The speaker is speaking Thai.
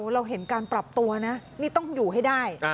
เราเห็นการปรับตัวนะนี่ต้องอยู่ให้ได้